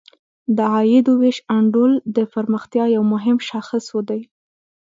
د عاید ویش انډول د پرمختیا یو مهم شاخص دی.